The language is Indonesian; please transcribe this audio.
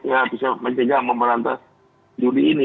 karena bisa mencegah memberantas judi ini